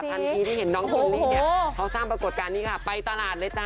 ทันทีที่เห็นน้องเชลลี่เนี่ยเขาสร้างปรากฏการณ์นี้ค่ะไปตลาดเลยจ้